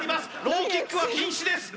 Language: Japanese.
ローキックは禁止です